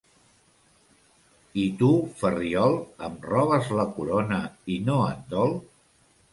I tu, Ferriol, em robes la corona, i no et dol?